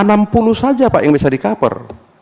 ada enam puluh saja pak yang bisa di cover